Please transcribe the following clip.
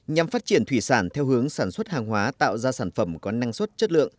nhằm phát triển thủy sản theo hướng sản xuất hàng hóa tạo ra sản phẩm có năng suất chất lượng